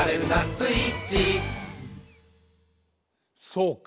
そうか。